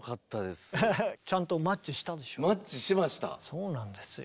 そうなんですよ。